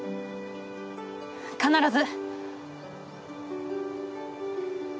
必ず。